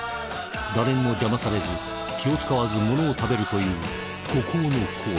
誰にも邪魔されず気を遣わずものを食べるという孤高の行為。